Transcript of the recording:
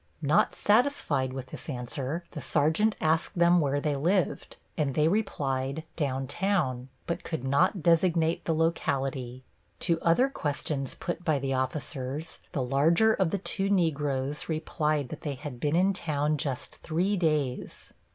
Not satisfied with this answer, the sergeant asked them where they lived, and they replied "down town," but could not designate the locality. To other questions put by the officers the larger of the two Negroes replied that they had been in town just three days.